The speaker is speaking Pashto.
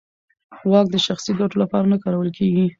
واک د شخصي ګټو لپاره نه کارول کېږي.